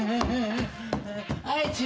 はい。